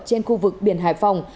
trên khu vực biển hải phòng